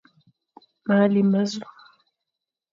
Mâa lé ma zu.